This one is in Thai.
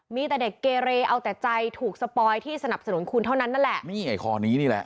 มีแต่เด็กเกเรเอาแต่ใจถูกสปอยที่สนับสนุนคุณเท่านั้นนั่นแหละนี่ไอ้คอนี้นี่แหละ